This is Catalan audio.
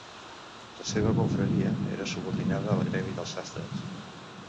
La seva confraria era subordinada al gremi dels sastres.